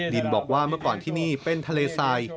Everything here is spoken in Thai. ดินบอกว่าเมื่อก่อนที่นี่เป็นทะเลทราย